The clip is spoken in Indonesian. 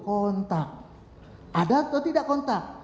kontak ada atau tidak kontak